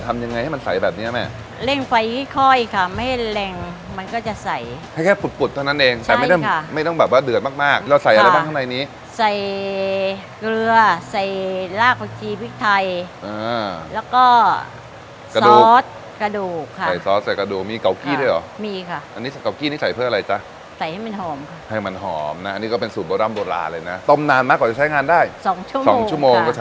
มันก็จะใส่ให้แค่ปุดปุดเท่านั้นเองใช่ค่ะแต่ไม่ได้ไม่ต้องแบบว่าเดือดมากมากเราใส่อะไรบ้างข้างในนี้ใส่เกลือใส่ลากก๋วชีพริกไทยอ่าแล้วก็ซอสกระดูกค่ะใส่ซอสใส่กระดูกมีเกาะกี้ด้วยเหรอมีค่ะอันนี้เกาะกี้นี่ใส่เพื่ออะไรจ๊ะใส่ให้มันหอมค่ะให้มันหอมน่ะอันนี้ก็เป็นส